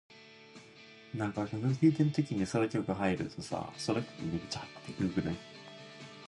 He is president of the Cornwall Birdwatching and Preservation Society.